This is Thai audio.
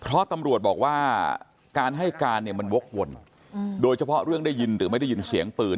เพราะตำรวจบอกว่าการให้การเนี่ยมันวกวนโดยเฉพาะเรื่องได้ยินหรือไม่ได้ยินเสียงปืน